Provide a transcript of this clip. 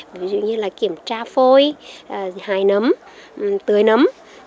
phôi hái nấm tưới nấm